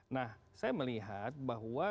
nah saya melihat bahwa